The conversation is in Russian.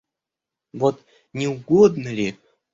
Вот, не угодно ли...